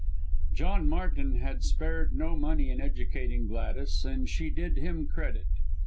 John Martin had spared no money in educating Gladys, and she did him credit.